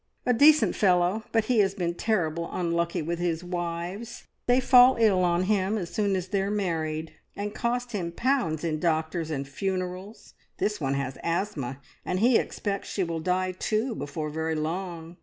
"A decent fellow, but he has been terrible unlucky with his wives. They fall ill on him as soon as they're married, and cost him pounds in doctors and funerals. This one has asthma, and he expects she will die too before very long.